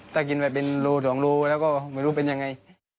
ถ้ากินไปเป็นรู๒รูแล้วก็ไม่รู้เป็นยังไง